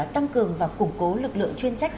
tăng cường và củng cố lực lượng chuyên trách